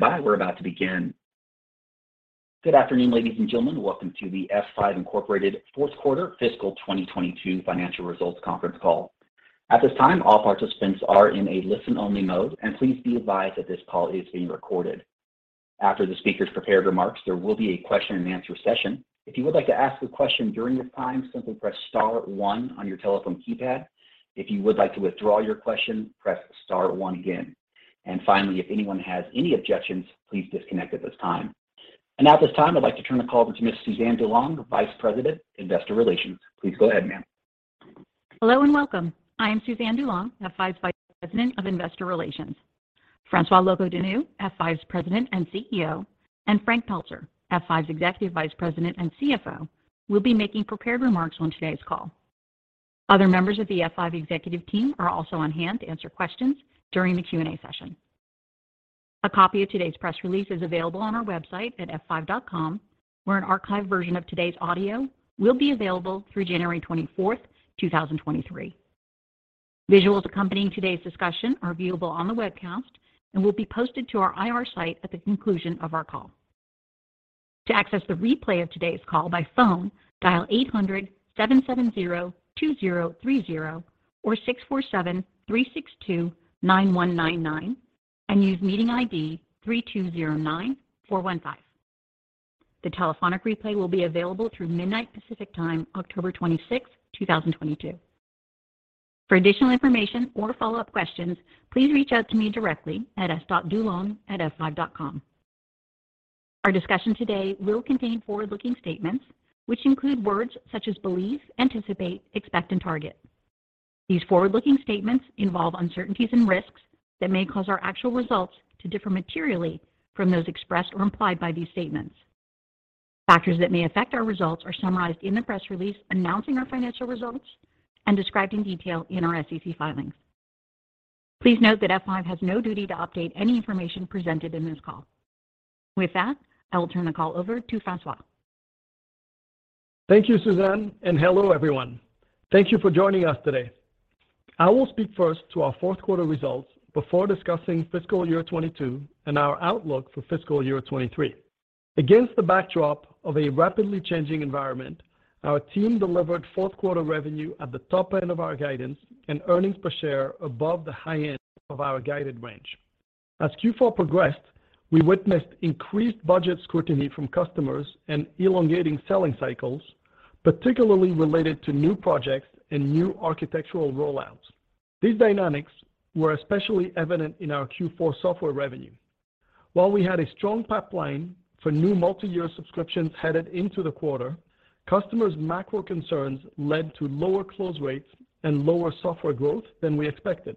Please stand by. We're about to begin. Good afternoon, ladies and gentlemen. Welcome to the F5, Inc. fourth quarter fiscal 2022 financial results conference call. At this time, all participants are in a listen-only mode, and please be advised that this call is being recorded. After the speaker's prepared remarks, there will be a question-and-answer session. If you would like to ask a question during this time, simply press star one on your telephone keypad. If you would like to withdraw your question, press star one again. Finally, if anyone has any objections, please disconnect at this time. Now at this time, I'd like to turn the call over to Ms. Suzanne DuLong, Vice President, Investor Relations. Please go ahead, ma'am. Hello and welcome. I am Suzanne DuLong, F5's Vice President of Investor Relations. François Locoh-Donou, F5's President and CEO, and Frank Pelzer, F5's Executive Vice President and CFO, will be making prepared remarks on today's call. Other members of the F5 executive team are also on hand to answer questions during the Q&A session. A copy of today's press release is available on our website at f5.com, where an archived version of today's audio will be available through January 24th, 2023. Visuals accompanying today's discussion are viewable on the webcast and will be posted to our IR site at the conclusion of our call. To access the replay of today's call by phone, dial 800-770-2030 or 647-362-9199 and use meeting ID 3209415. The telephonic replay will be available through midnight Pacific Time, October 26th, 2022. For additional information or follow-up questions, please reach out to me directly at s.dulong@f5.com. Our discussion today will contain forward-looking statements which include words such as believe, anticipate, expect, and target. These forward-looking statements involve uncertainties and risks that may cause our actual results to differ materially from those expressed or implied by these statements. Factors that may affect our results are summarized in the press release announcing our financial results and described in detail in our SEC filings. Please note that F5 has no duty to update any information presented in this call. With that, I will turn the call over to François. Thank you, Suzanne, and hello everyone. Thank you for joining us today. I will speak first to our fourth quarter results before discussing fiscal year 2022 and our outlook for fiscal year 2023. Against the backdrop of a rapidly changing environment, our team delivered fourth quarter revenue at the top end of our guidance and earnings per share above the high end of our guided range. As Q4 progressed, we witnessed increased budget scrutiny from customers and elongating selling cycles, particularly related to new projects and new architectural rollouts. These dynamics were especially evident in our Q4 software revenue. While we had a strong pipeline for new multi-year subscriptions headed into the quarter, customers' macro concerns led to lower close rates and lower software growth than we expected.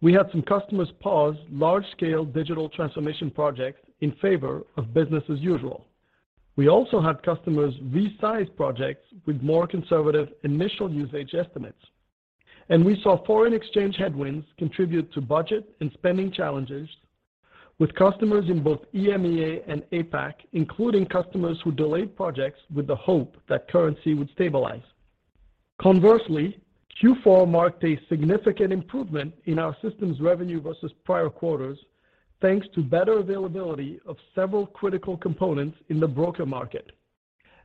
We had some customers pause large-scale digital transformation projects in favor of business as usual. We also had customers resize projects with more conservative initial usage estimates. We saw foreign exchange headwinds contribute to budget and spending challenges with customers in both EMEA and APAC, including customers who delayed projects with the hope that currency would stabilize. Conversely, Q4 marked a significant improvement in our systems revenue versus prior quarters, thanks to better availability of several critical components in the broader market.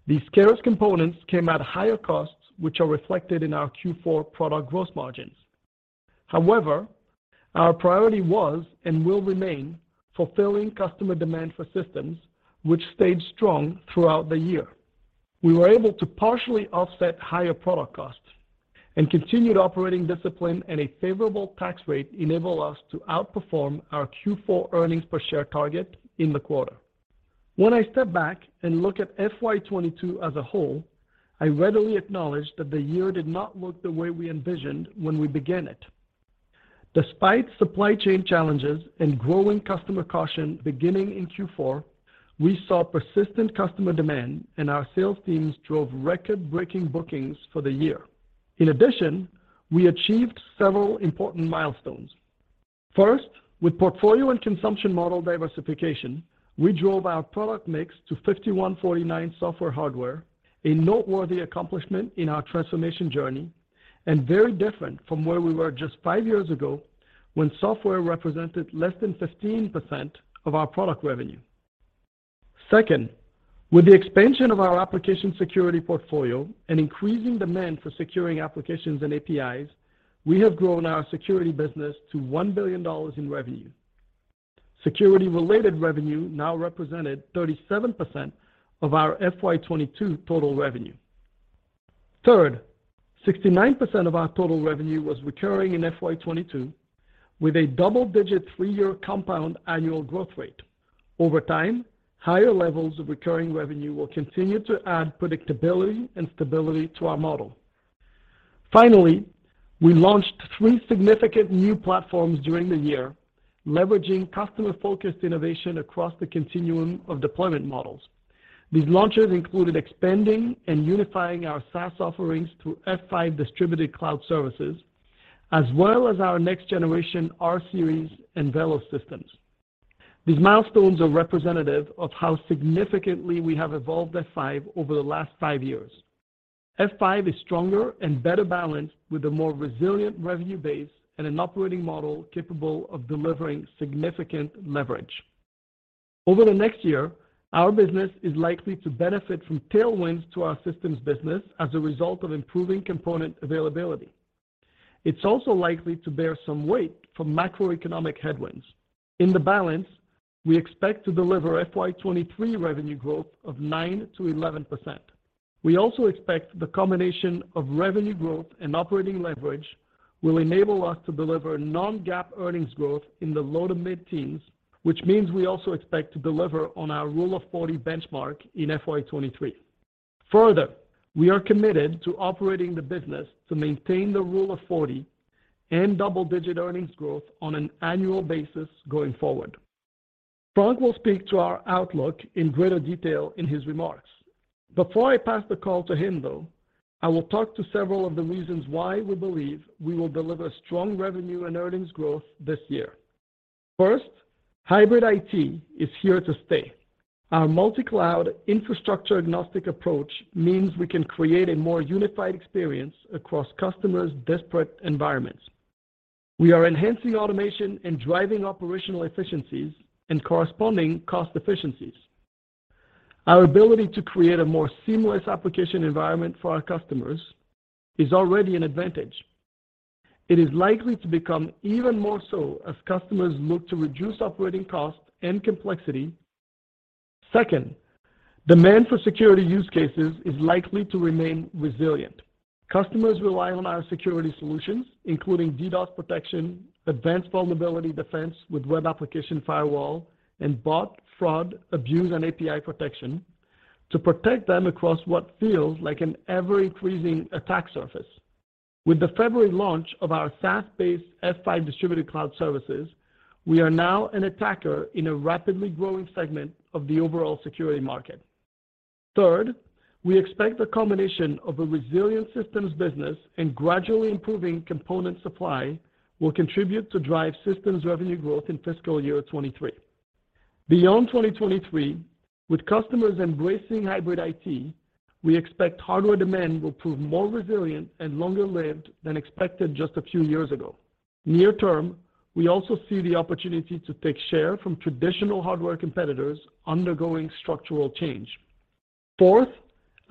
These scarce components came at higher costs, which are reflected in our Q4 product gross margins. However, our priority was and will remain fulfilling customer demand for systems which stayed strong throughout the year. We were able to partially offset higher product costs and continued operating discipline and a favorable tax rate enable us to outperform our Q4 earnings per share target in the quarter. When I step back and look at FY 2022 as a whole, I readily acknowledge that the year did not look the way we envisioned when we began it. Despite supply chain challenges and growing customer caution beginning in Q4, we saw persistent customer demand, and our sales teams drove record-breaking bookings for the year. In addition, we achieved several important milestones. First, with portfolio and consumption model diversification, we drove our product mix to 51-49 software hardware, a noteworthy accomplishment in our transformation journey, and very different from where we were just five years ago when software represented less than 15% of our product revenue. Second, with the expansion of our application security portfolio and increasing demand for securing applications and APIs, we have grown our security business to $1 billion in revenue. Security-related revenue now represented 37% of our FY 2022 total revenue. Third, 69% of our total revenue was recurring in FY 2022, with a double-digit three year compound annual growth rate. Over time, higher levels of recurring revenue will continue to add predictability and stability to our model. We launched ignificant new platforms during the year, leveraging customer-focused innovation across the continuum of deployment models. These launches included expanding and unifying our SaaS offerings through F5 Distributed Cloud Services, as well as our next-generation rSeries and VELOS systems. These milestones are representative of how significantly we have evolved F5 over the last five years. F5 is stronger and better balanced with a more resilient revenue base and an operating model capable of delivering significant leverage. Over the next year, our business is likely to benefit from tailwinds to our systems business as a result of improving component availability. It's also likely to bear some weight from macroeconomic headwinds. In the balance, we expect to deliver FY 2023 revenue growth of 9%-11%. We also expect the combination of revenue growth and operating leverage will enable us to deliver non-GAAP earnings growth in the low to mid-teens, which means we also expect to deliver on our Rule of 40 benchmark in FY 2023. Further, we are committed to operating the business to maintain the Rule of 40 and double-digit earnings growth on an annual basis going forward. Frank will speak to our outlook in greater detail in his remarks. Before I pass the call to him, though, I will talk to several of the reasons why we believe we will deliver strong revenue and earnings growth this year. First, hybrid IT is here to stay. Our multi-cloud infrastructure-agnostic approach means we can create a more unified experience across customers' disparate environments. We are enhancing automation and driving operational efficiencies and corresponding cost efficiencies. Our ability to create a more seamless application environment for our customers is already an advantage. It is likely to become even more so as customers look to reduce operating costs and complexity. Second, demand for security use cases is likely to remain resilient. Customers rely on our security solutions, including DDoS protection, advanced vulnerability defense with Web Application Firewall, and bot, fraud, abuse, and API protection to protect them across what feels like an ever-increasing attack surface. With the February launch of our SaaS-based F5 Distributed Cloud Services, we are now an attacker in a rapidly growing segment of the overall security market. Third, we expect the combination of a resilient systems business and gradually improving component supply will contribute to drive systems revenue growth in fiscal year 2023. Beyond 2023, with customers embracing hybrid IT, we expect hardware demand will prove more resilient and longer-lived than expected just a few years ago. Near term, we also see the opportunity to take share from traditional hardware competitors undergoing structural change. Fourth,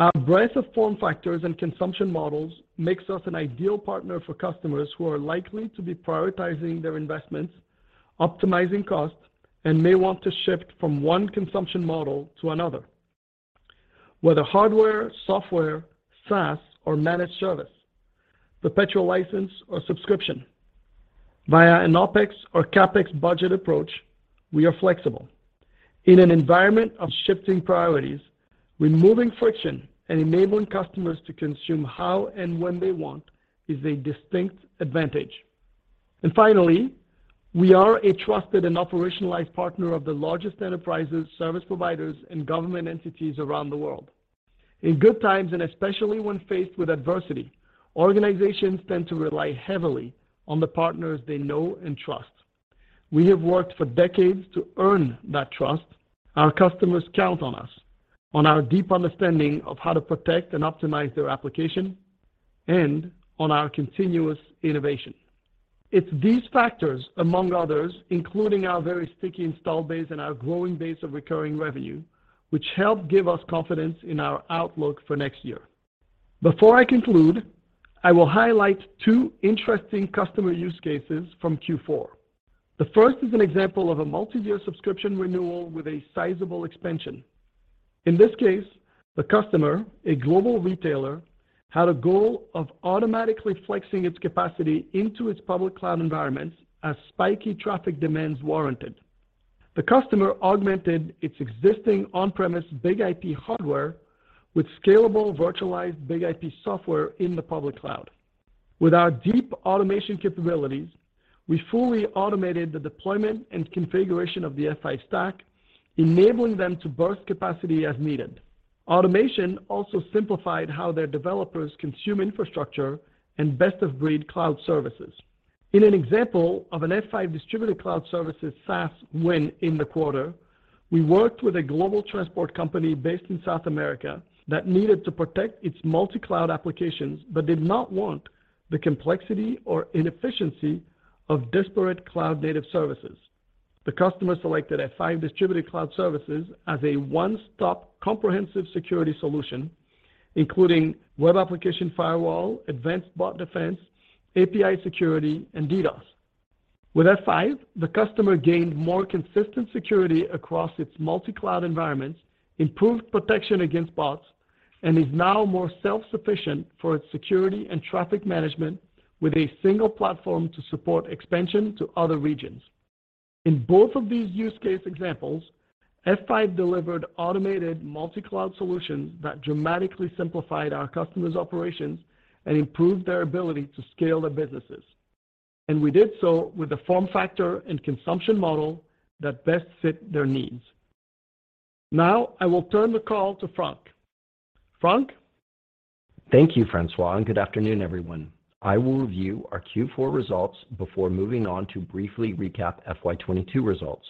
our breadth of form factors and consumption models makes us an ideal partner for customers who are likely to be prioritizing their investments, optimizing costs, and may want to shift from one consumption model to another. Whether hardware, software, SaaS or managed service, perpetual license or subscription, via an OpEx or CapEx budget approach, we are flexible. In an environment of shifting priorities, removing friction and enabling customers to consume how and when they want is a distinct advantage. Finally, we are a trusted and operationalized partner of the largest enterprises, service providers, and government entities around the world. In good times, and especially when faced with adversity, organizations tend to rely heavily on the partners they know and trust. We have worked for decades to earn that trust. Our customers count on us, on our deep understanding of how to protect and optimize their application, and on our continuous innovation. It's these factors, among others, including our very sticky install base and our growing base of recurring revenue, which help give us confidence in our outlook for next year. Before I conclude, I will highlight two interesting customer use cases from Q4. The first is an example of a multi-year subscription renewal with a sizable expansion. In this case, the customer, a global retailer, had a goal of automatically flexing its capacity into its public cloud environments as spiky traffic demands warranted. The customer augmented its existing on-premise BIG-IP hardware with scalable virtualized BIG-IP software in the public cloud. With our deep automation capabilities, we fully automated the deployment and configuration of the F5 stack, enabling them to burst capacity as needed. Automation also simplified how their developers consume infrastructure and best-of-breed cloud services. In an example of an F5 Distributed Cloud Services SaaS win in the quarter, we worked with a global transport company based in South America that needed to protect its multi-cloud applications but did not want the complexity or inefficiency of disparate cloud-native services. The customer selected F5 Distributed Cloud Services as a one-stop comprehensive security solution, including Web Application Firewall, advanced bot defense, API security, and DDoS. With F5, the customer gained more consistent security across its multi-cloud environments, improved protection against bots, and is now more self-sufficient for its security and traffic management with a single platform to support expansion to other regions. In both of these use case examples, F5 delivered automated multi-cloud solutions that dramatically simplified our customers' operations and improved their ability to scale their businesses. We did so with the form factor and consumption model that best fit their needs. Now, I will turn the call to Frank. Frank? Thank you, François, and good afternoon, everyone. I will review our Q4 results before moving on to briefly recap FY 2022 results.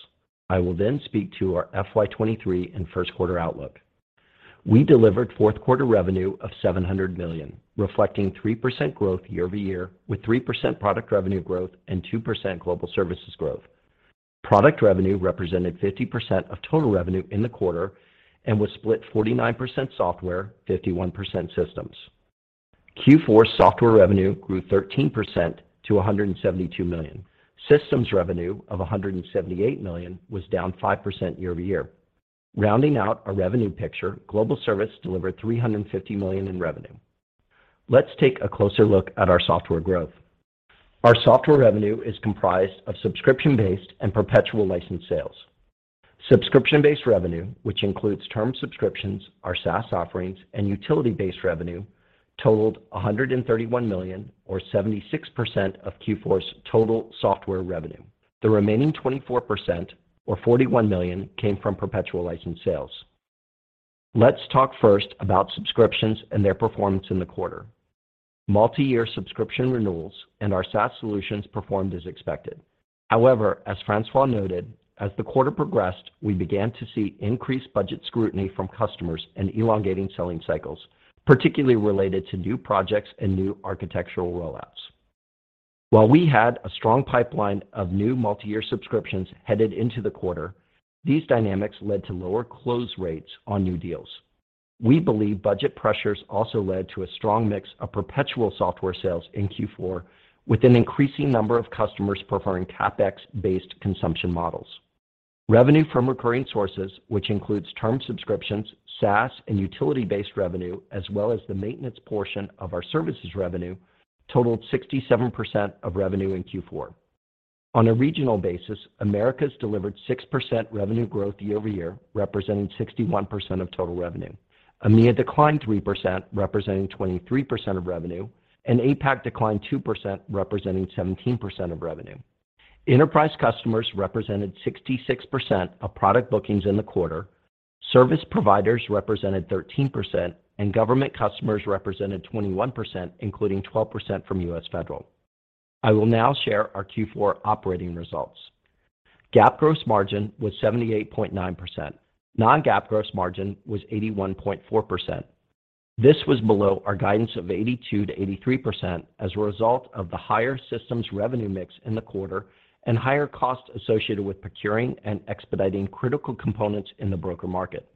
I will then speak to our FY 2023 and first quarter outlook. We delivered fourth quarter revenue of $700 million, reflecting 3% growth year-over-year, with 3% product revenue growth and 2% global services growth. Product revenue represented 50% of total revenue in the quarter and was split 49% software, 51% systems. Q4 software revenue grew 13% to $172 million. Systems revenue of $178 million was down 5% year-over-year. Rounding out our revenue picture, global services delivered $350 million in revenue. Let's take a closer look at our software growth. Our software revenue is comprised of subscription-based and perpetual license sales. Subscription-based revenue, which includes term subscriptions, our SaaS offerings, and utility-based revenue totaled $131 million, or 76% of Q4's total software revenue. The remaining 24%, or $41 million, came from perpetual license sales. Let's talk first about subscriptions and their performance in the quarter. Multi-year subscription renewals and our SaaS solutions performed as expected. However, as François noted, as the quarter progressed, we began to see increased budget scrutiny from customers and elongating selling cycles, particularly related to new projects and new architectural rollouts. While we had a strong pipeline of new multi-year subscriptions headed into the quarter, these dynamics led to lower close rates on new deals. We believe budget pressures also led to a strong mix of perpetual software sales in Q4, with an increasing number of customers preferring CapEx-based consumption models. Revenue from recurring sources, which includes term subscriptions, SaaS, and utility-based revenue, as well as the maintenance portion of our services revenue totaled 67% of revenue in Q4. On a regional basis, Americas delivered 6% revenue growth year over year, representing 61% of total revenue. EMEA declined 3%, representing 23% of revenue, and APAC declined 2%, representing 17% of revenue. Enterprise customers represented 66% of product bookings in the quarter, service providers represented 13%, and government customers represented 21%, including 12% from U.S. Federal. I will now share our Q4 operating results. GAAP gross margin was 78.9%. non-GAAP gross margin was 81.4%. This was below our guidance of 82%-83% as a result of the higher systems revenue mix in the quarter and higher costs associated with procuring and expediting critical components in the broader market.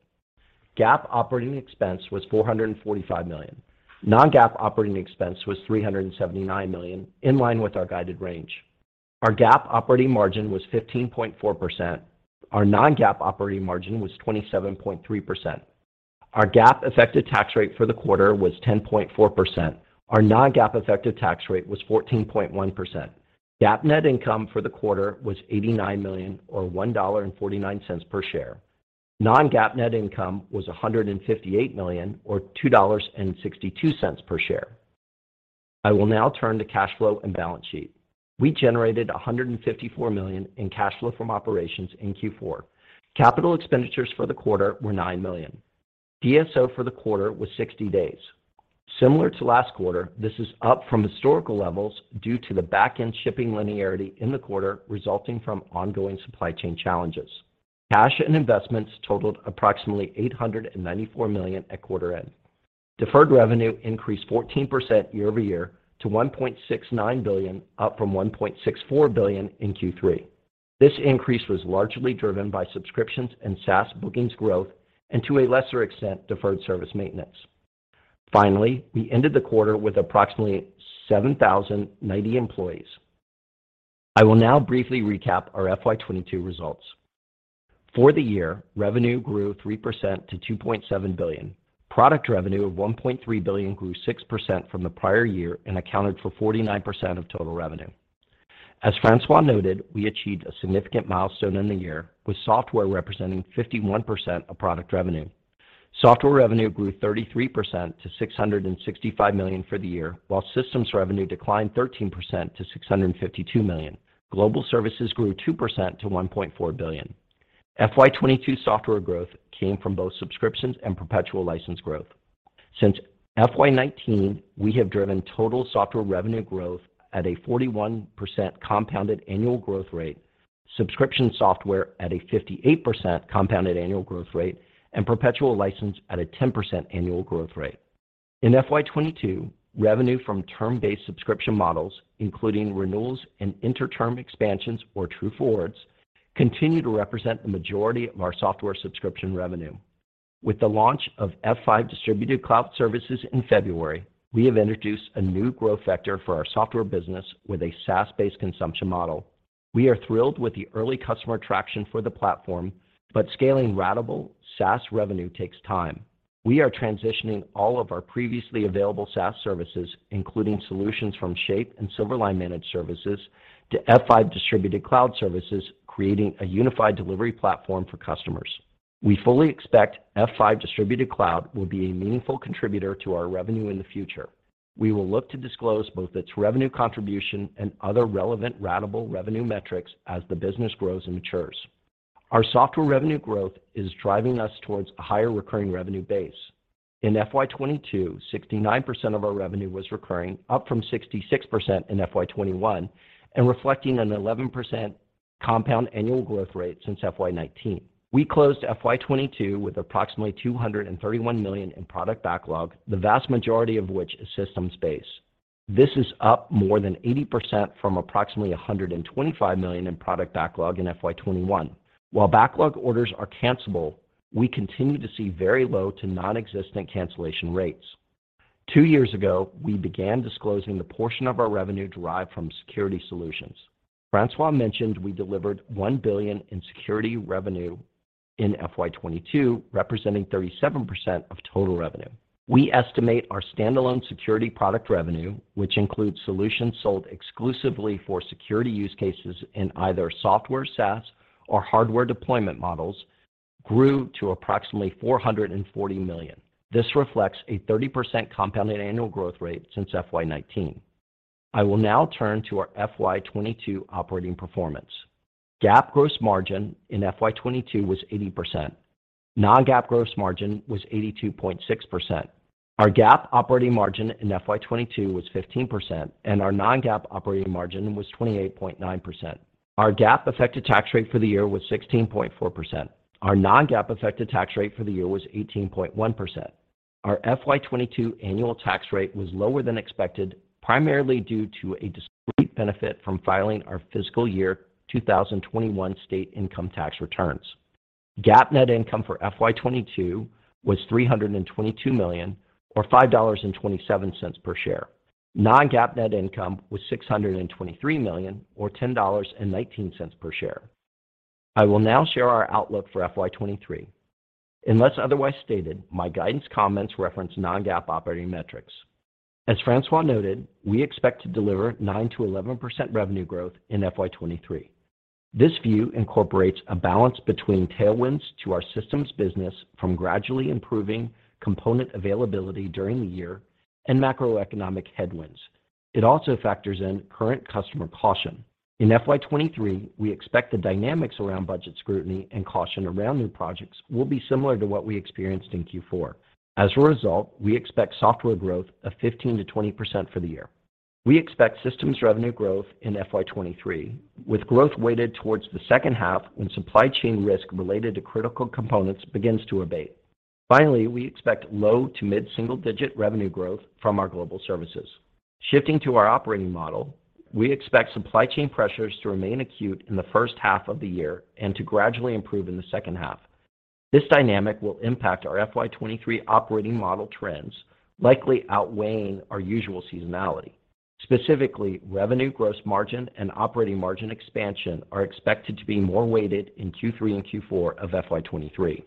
GAAP operating expense was $445 million. Non-GAAP operating expense was $379 million, in line with our guided range. Our GAAP operating margin was 15.4%. Our non-GAAP operating margin was 27.3%. Our GAAP effective tax rate for the quarter was 10.4%. Our non-GAAP effective tax rate was 14.1%. GAAP net income for the quarter was $89 million or $1.49 per share. Non-GAAP net income was $158 million or $2.62 per share. I will now turn to cash flow and balance sheet. We generated $154 million in cash flow from operations in Q4. Capital expenditures for the quarter were $9 million. DSO for the quarter was 60 days. Similar to last quarter, this is up from historical levels due to the back-end shipping linearity in the quarter resulting from ongoing supply chain challenges. Cash and investments totaled approximately $894 million at quarter end. Deferred revenue increased 14% year-over-year to $1.69 billion, up from $1.64 billion in Q3. This increase was largely driven by subscriptions and SaaS bookings growth and, to a lesser extent, deferred service maintenance. Finally, we ended the quarter with approximately 7,090 employees. I will now briefly recap our FY 2022 results. For the year, revenue grew 3% to $2.7 billion. Product revenue of $1.3 billion grew 6% from the prior year and accounted for 49% of total revenue. François noted, we achieved a significant milestone in the year, with software representing 51% of product revenue. Software revenue grew 33% to $665 million for the year, while systems revenue declined 13% to $652 million. Global services grew 2% to $1.4 billion. FY 2022 software growth came from both subscriptions and perpetual license growth. Since FY 2019, we have driven total software revenue growth at a 41% compounded annual growth rate, subscription software at a 58% compounded annual growth rate, and perpetual license at a 10% annual growth rate. In FY 2022, revenue from term-based subscription models, including renewals and interterm expansions, or True Forwards, continue to represent the majority of our software subscription revenue. With the launch of F5 Distributed Cloud Services in February, we have introduced a new growth vector for our software business with a SaaS-based consumption model. We are thrilled with the early customer traction for the platform, but scaling ratable SaaS revenue takes time. We are transitioning all of our previously available SaaS services, including solutions from Shape and Silverline Managed Services to F5 Distributed Cloud Services, creating a unified delivery platform for customers. We fully expect F5 Distributed Cloud will be a meaningful contributor to our revenue in the future. We will look to disclose both its revenue contribution and other relevant ratable revenue metrics as the business grows and matures. Our software revenue growth is driving us towards a higher recurring revenue base. In FY 2022, 69% of our revenue was recurring, up from 66% in FY 2021 and reflecting an 11% compound annual growth rate since FY 2019. We closed FY 2022 with approximately $231 million in product backlog, the vast majority of which is systems base. This is up more than 80% from approximately $125 million in product backlog in FY 2021. While backlog orders are cancelable, we continue to see very low to non-existent cancellation rates. Two years ago, we began disclosing the portion of our revenue derived from security solutions. François mentioned we delivered $1 billion in security revenue in FY 2022, representing 37% of total revenue. We estimate our standalone security product revenue, which includes solutions sold exclusively for security use cases in either software SaaS or hardware deployment models, grew to approximately $440 million. This reflects a 30% compounded annual growth rate since FY 2019. I will now turn to our FY 2022 operating performance. GAAP gross margin in FY 2022 was 80%. Non-GAAP gross margin was 82.6%. Our GAAP operating margin in FY 2022 was 15%, and our non-GAAP operating margin was 28.9%. Our GAAP effective tax rate for the year was 16.4%. Our non-GAAP effective tax rate for the year was 18.1%. Our FY 2022 annual tax rate was lower than expected, primarily due to a discrete benefit from filing our fiscal year 2021 state income tax returns. GAAP net income for FY 2022 was $322 million or $5.27 per share. Non-GAAP net income was $623 million or $10.19 per share. I will now share our outlook for FY 2023. Unless otherwise stated, my guidance comments reference non-GAAP operating metrics. As François noted, we expect to deliver 9%-11% revenue growth in FY 2023. This view incorporates a balance between tailwinds to our systems business from gradually improving component availability during the year and macroeconomic headwinds. It also factors in current customer caution. In FY 2023, we expect the dynamics around budget scrutiny and caution around new projects will be similar to what we experienced in Q4. As a result, we expect software growth of 15%-20% for the year. We expect systems revenue growth in FY 2023, with growth weighted towards the second half when supply chain risk related to critical components begins to abate. Finally, we expect low- to mid-single-digit revenue growth from our global services. Shifting to our operating model, we expect supply chain pressures to remain acute in the first half of the year and to gradually improve in the second half. This dynamic will impact our FY 2023 operating model trends, likely outweighing our usual seasonality. Specifically, revenue gross margin and operating margin expansion are expected to be more weighted in Q3 and Q4 of FY 2023.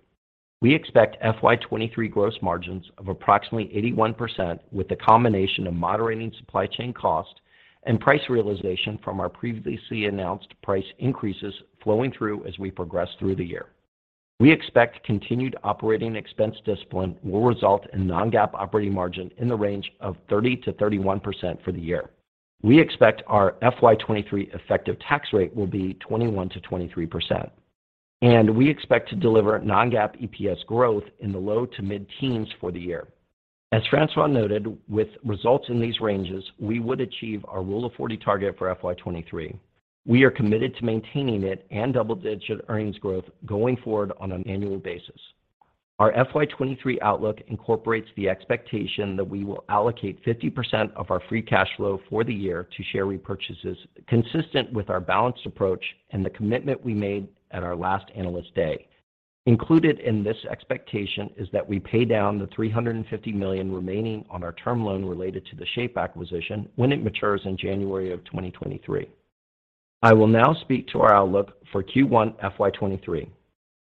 We expect FY 2023 gross margins of approximately 81% with the combination of moderating supply chain cost and price realization from our previously announced price increases flowing through as we progress through the year. We expect continued operating expense discipline will result in non-GAAP operating margin in the range of 30%-31% for the year. We expect our FY 2023 effective tax rate will be 21%-23%, and we expect to deliver non-GAAP EPS growth in the low to mid-teens for the year. As François noted, with results in these ranges, we would achieve our Rule of 40 target for FY 2023. We are committed to maintaining it and double-digit earnings growth going forward on an annual basis. Our FY 2023 outlook incorporates the expectation that we will allocate 50% of our free cash flow for the year to share repurchases consistent with our balanced approach and the commitment we made at our last Analyst Day. Included in this expectation is that we pay down the $350 million remaining on our term loan related to the Shape Security acquisition when it matures in January 2023. I will now speak to our outlook for Q1 FY 2023.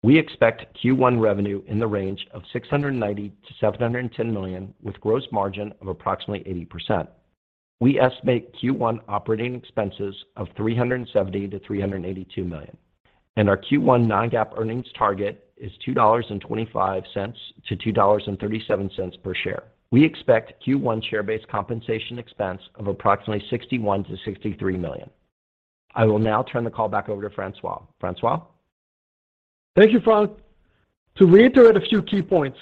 We expect Q1 revenue in the range of $690 million-$710 million, with gross margin of approximately 80%. We estimate Q1 operating expenses of $370 million-$382 million, and our Q1 non-GAAP earnings target is $2.25-$2.37 per share. We expect Q1 share-based compensation expense of approximately $61 million-$63 million. I will now turn the call back over to François. François? Thank you, Frank. To reiterate a few key points,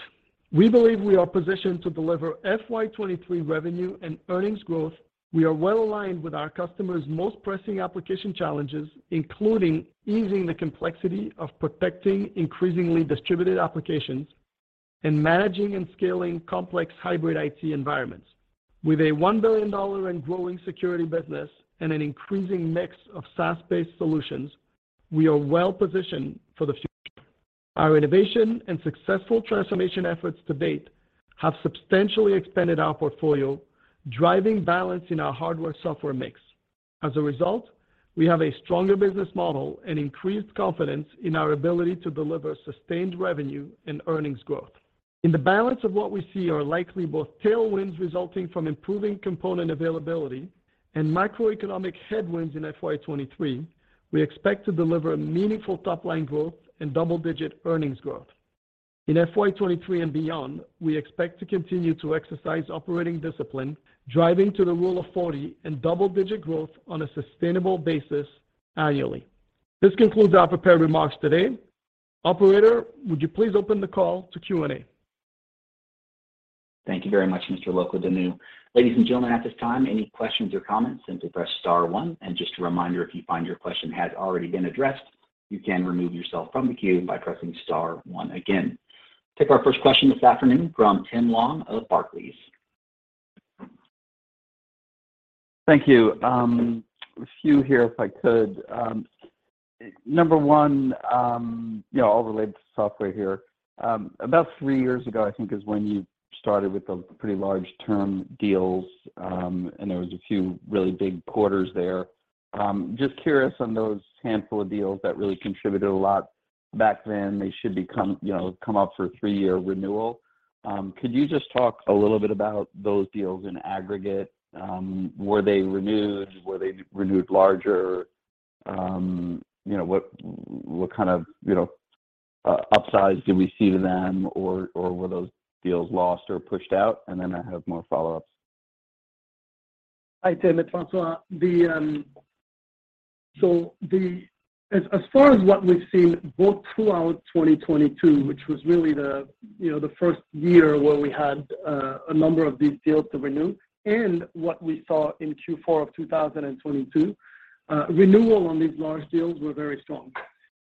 we believe we are positioned to deliver FY 2023 revenue and earnings growth. We are well-aligned with our customers' most pressing application challenges, including easing the complexity of protecting increasingly distributed applications and managing and scaling complex hybrid IT environments. With a $1 billion and growing security business and an increasing mix of SaaS-based solutions, we are well positioned for the future. Our innovation and successful transformation efforts to date have substantially expanded our portfolio, driving balance in our hardware-software mix. As a result, we have a stronger business model and increased confidence in our ability to deliver sustained revenue and earnings growth. In the balance of what we see are likely both tailwinds resulting from improving component availability and macroeconomic headwinds in FY 2023, we expect to deliver meaningful top-line growth and double-digit earnings growth. In FY 23 and beyond, we expect to continue to exercise operating discipline, driving to the Rule of 40 and double-digit growth on a sustainable basis annually. This concludes our prepared remarks today. Operator, would you please open the call to Q&A? Thank you very much, Mr. Locoh-Donou. Ladies and gentlemen, at this time, any questions or comments? Simply press star one. Just a reminder, if you find your question has already been addressed, you can remove yourself from the queue by pressing star one again. Take our first question this afternoon from Tim Long of Barclays. Thank you. A few here, if I could. Number one, you know, all related to software here. About three years ago, I think is when you started with the pretty large term deals, and there was a few really big quarters there. Just curious on those handful of deals that really contributed a lot back then they should become, you know, come up for three-year renewal. Could you just talk a little bit about those deals in aggregate? Were they renewed? Were they renewed larger? You know, what kind of, you know, upsize did we see to them or were those deals lost or pushed out? Then I have more follow-ups. Hi, Tim. It's François. As far as what we've seen both throughout 2022, which was really the first year where we had a number of these deals to renew and what we saw in Q4 of 2022, renewal on these large deals were very strong.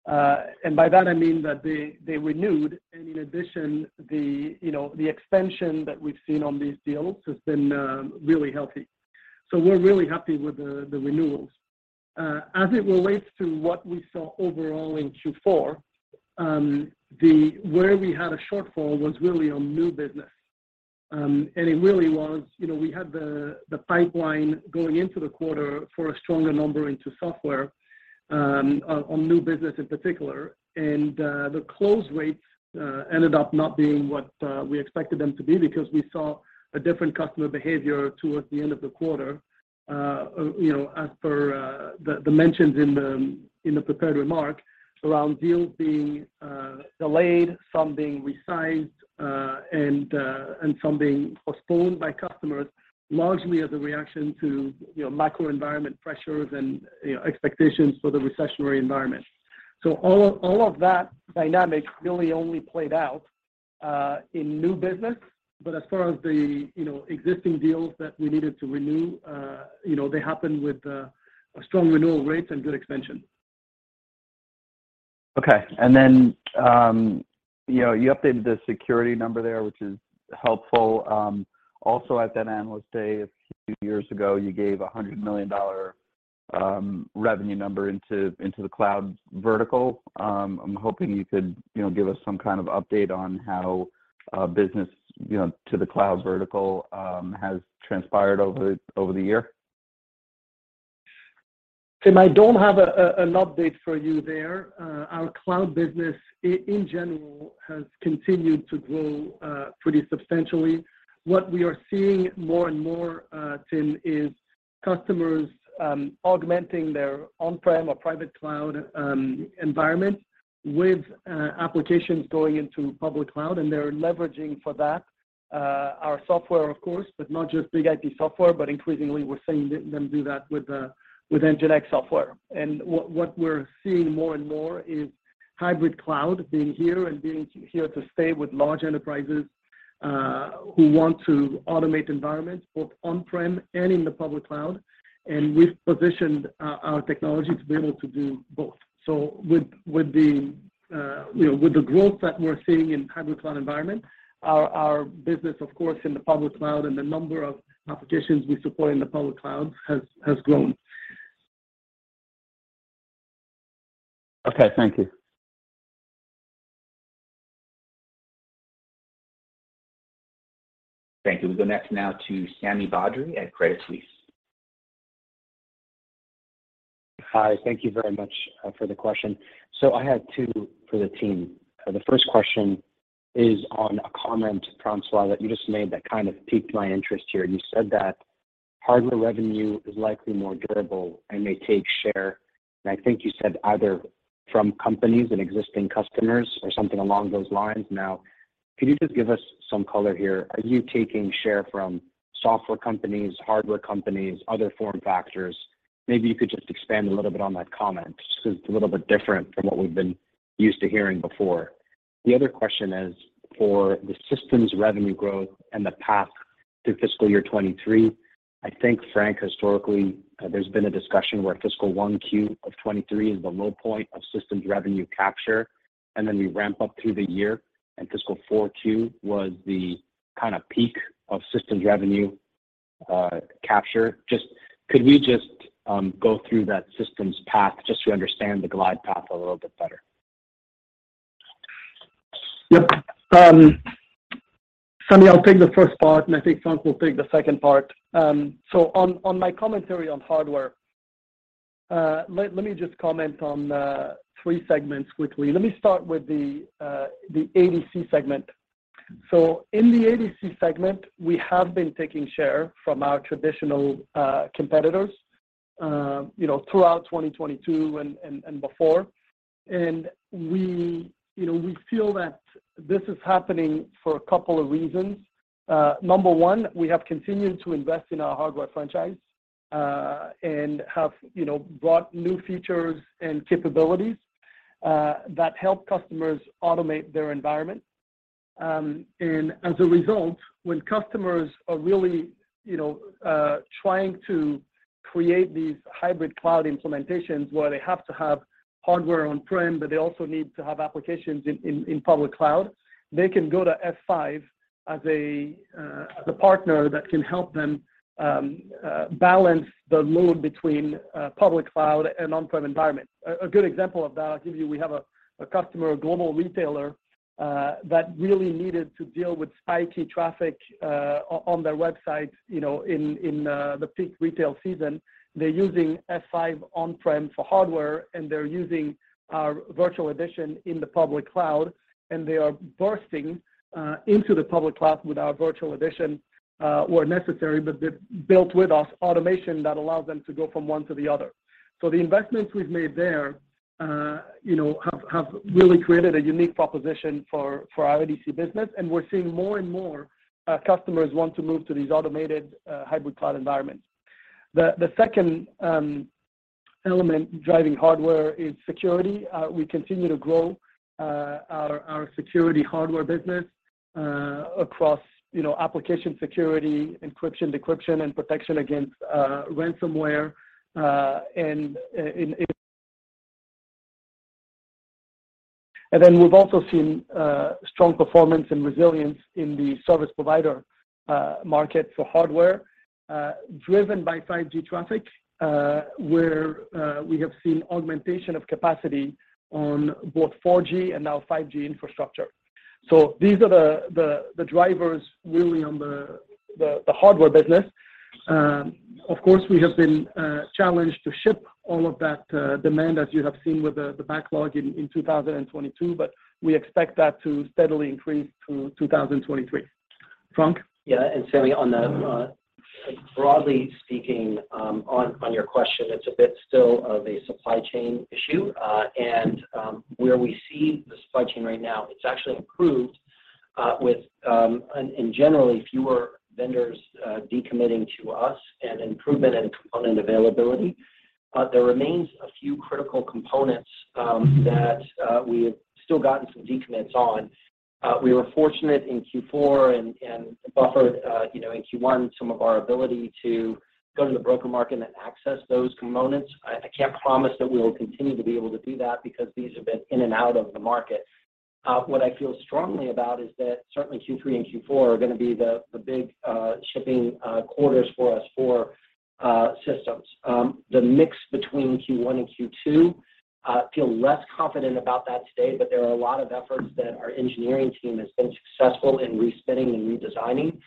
By that I mean that they renewed, and in addition, the extension that we've seen on these deals has been really healthy. We're really happy with the renewals. As it relates to what we saw overall in Q4, where we had a shortfall was really on new business. It really was, you know, we had the pipeline going into the quarter for a stronger number into software, on new business in particular. The close rates ended up not being what we expected them to be because we saw a different customer behavior towards the end of the quarter. You know, as per the mentions in the prepared remark around deals being delayed, some being resized, and some being postponed by customers largely as a reaction to, you know, macro environment pressures and, you know, expectations for the recessionary environment. All of that dynamic really only played out in new business. As far as the, you know, existing deals that we needed to renew, you know, they happened with a strong renewal rates and good extension. Okay. You know, you updated the security number there, which is helpful. Also at that Analyst Day a few years ago, you gave a $100 million revenue number into the cloud vertical. I'm hoping you could, you know, give us some kind of update on how business, you know, to the cloud vertical has transpired over the year. Tim, I don't have an update for you there. Our cloud business in general has continued to grow pretty substantially. What we are seeing more and more, Tim, is customers augmenting their on-prem or private cloud environment with applications going into public cloud, and they're leveraging for that our software of course, but not just BIG-IP software, but increasingly we're seeing them do that with NGINX software. What we're seeing more and more is hybrid cloud being here to stay with large enterprises who want to automate environments both on-prem and in the public cloud. We've positioned our technology to be able to do both. With the growth that we're seeing in hybrid cloud environment, our business of course in the public cloud and the number of applications we support in the public cloud has grown. Okay. Thank you. Thank you. We go next now to Sami Badri at Credit Suisse. Hi. Thank you very much for the question. I had two for the team. The first question is on a comment, François, that you just made that kind of piqued my interest here. You said that hardware revenue is likely more durable and may take share, and I think you said either from companies and existing customers or something along those lines. Now, could you just give us some color here? Are you taking share from software companies, hardware companies, other form factors? Maybe you could just expand a little bit on that comment just 'cause it's a little bit different from what we've been used to hearing before. The other question is for the systems revenue growth and the path through fiscal year 2023. I think, Frank, historically, there's been a discussion where fiscal 1Q of 2023 is the low point of systems revenue capture, and then we ramp up through the year and fiscal 4Q was the kind of peak of systems revenue capture. Could we just go through that systems path just to understand the glide path a little bit better? Yep. Sami, I'll take the first part, and I think Frank will take the second part. On my commentary on hardware, let me just comment on three segments quickly. Let me start with the ADC segment. In the ADC segment, we have been taking share from our traditional competitors, you know, throughout 2022 and before. We, you know, we feel that this is happening for a couple of reasons. Number one, we have continued to invest in our hardware franchise, and have, you know, brought new features and capabilities, that help customers automate their environment. As a result, when customers are really, you know, trying to create these hybrid cloud implementations where they have to have hardware on-prem, but they also need to have applications in public cloud, they can go to F5 as a partner that can help them balance the load between public cloud and on-prem environment. A good example of that I'll give you, we have a customer, a global retailer that really needed to deal with spiky traffic on their website, you know, in the peak retail season. They're using F5 on-prem for hardware, and they're using our virtual edition in the public cloud, and they are bursting into the public cloud with our virtual edition where necessary, but they've built with us automation that allows them to go from one to the other. he investments we've made there, you know, have really created a unique proposition for our ADC business, and we're seeing more and more customers want to move to these automated hybrid cloud environments. The second element driving hardware is security. We continue to grow our security hardware business across, you know, application security, encryption, decryption, and protection against ransomware, and then we've also seen strong performance and resilience in the service provider market for hardware driven by 5G traffic, where we have seen augmentation of capacity on both 4G and now 5G infrastructure. These are the drivers really on the hardware business. Of course, we have been challenged to ship all of that demand as you have seen with the backlog in 2022, but we expect that to steadily increase through 2023. Frank? Yeah. Sami, broadly speaking, on your question, it's a bit still of a supply chain issue. Where we see the supply chain right now, it's actually improved, with and generally fewer vendors decommitting to us and improvement in component availability. There remains a few critical components that we have still gotten some decommits on. We were fortunate in Q4 and buffered you know in Q1 some of our ability to go to the broker market and access those components. I can't promise that we will continue to be able to do that because these have been in and out of the market. What I feel strongly about is that certainly Q3 and Q4 are gonna be the big shipping quarters for us for systems. The mix between Q1 and Q2, feel less confident about that today, but there are a lot of efforts that our engineering team has been successful in respinning and redesigning.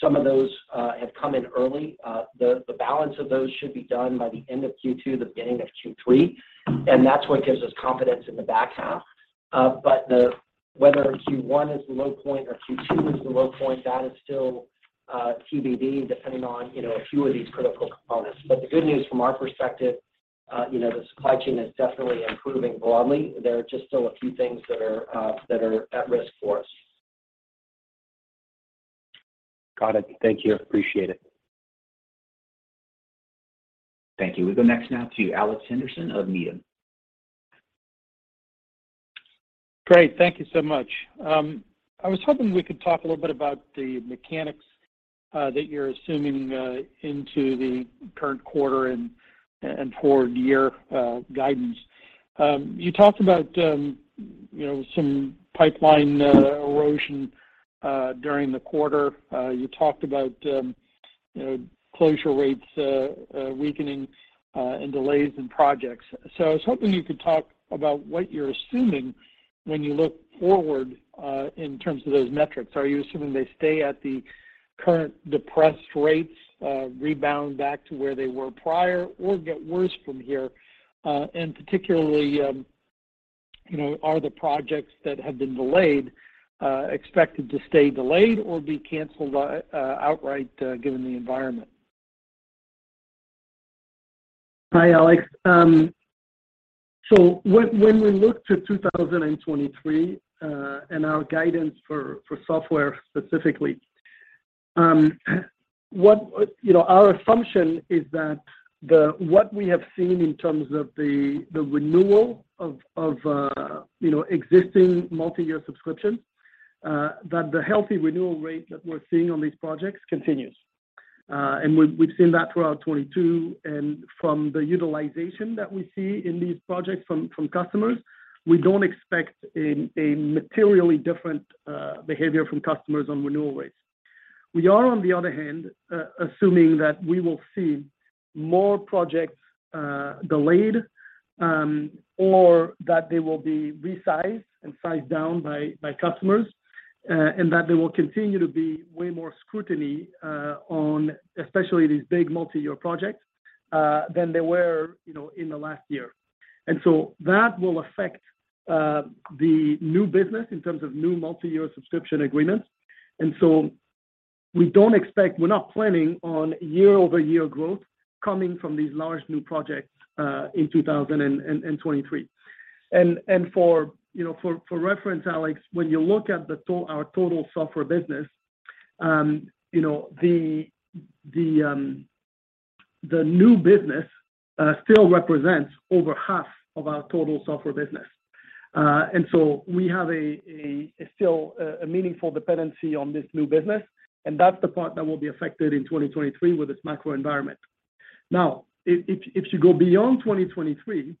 Some of those have come in early. The balance of those should be done by the end of Q2, the beginning of Q3, and that's what gives us confidence in the back half. Whether Q1 is the low point or Q2 is the low point, that is still TBD depending on, you know, a few of these critical components. The good news from our perspective, you know, the supply chain is definitely improving broadly. There are just still a few things that are at risk for us. Got it. Thank you. Appreciate it. Thank you. We go next now to Alex Henderson of Needham. Great. Thank you so much. I was hoping we could talk a little bit about the mechanics that you're assuming into the current quarter and for year guidance. You talked about, you know, some pipeline erosion during the quarter. You talked about, you know, closure rates weakening and delays in projects. I was hoping you could talk about what you're assuming when you look forward in terms of those metrics. Are you assuming they stay at the current depressed rates, rebound back to where they were prior or get worse from here? Particularly, you know, are the projects that have been delayed expected to stay delayed or be canceled outright given the environment? Hi, Alex. So when we look to 2023 and our guidance for software specifically, you know, our assumption is that what we have seen in terms of the renewal of existing multiyear subscriptions, that the healthy renewal rate that we're seeing on these projects continues. We've seen that throughout 2022. From the utilization that we see in these projects from customers, we don't expect a materially different behavior from customers on renewal rates. We are on the other hand assuming that we will see more projects delayed or that they will be resized and sized down by customers and that there will continue to be way more scrutiny on especially these big multiyear projects than there were, you know, in the last year. That will affect the new business in terms of new multiyear subscription agreements. We don't expect. We're not planning on year-over-year growth coming from these large new projects in 2023. For reference, Alex, when you look at our total software business, you know, the new business still represents over half of our total software business. We have still a meaningful dependency on this new business, and that's the part that will be affected in 2023 with this macro environment. Now, if you go beyond 2023,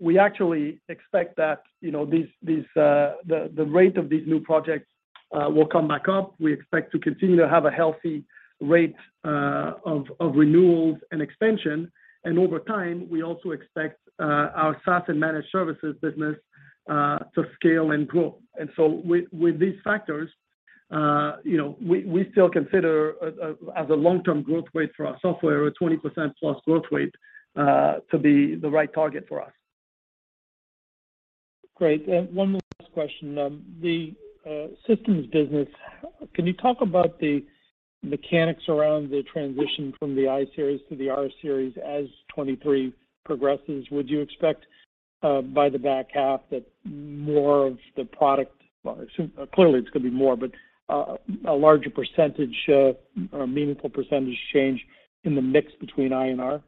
we actually expect that, you know, these the rate of these new projects will come back up. We expect to continue to have a healthy rate of renewals and expansion. Over time, we also expect our SaaS and managed services business to scale and grow. With these factors, you know, we still consider as a long-term growth rate for our software, a 20%+ growth rate to be the right target for us. Great. One more last question. The systems business, can you talk about the mechanics around the transition from the iSeries to the rSeries as 2023 progresses? Would you expect by the back half that more of the product. Clearly, it's gonna be more, but a larger % or meaningful % change in the mix between I and R?